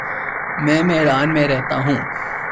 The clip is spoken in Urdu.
میں میلان میں رہتا ہوں